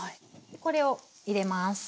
これを入れます。